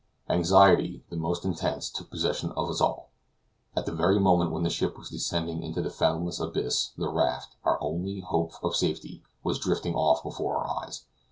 Anxiety, the most intense, took possession of us all. At the very moment when the ship was descending into the fathomless abyss, the raft, our only hope of safety, was drifting off before our eyes.